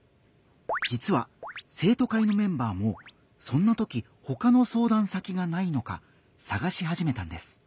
じつは生徒会のメンバーもそんなときほかの相談先がないのかさがしはじめたんです。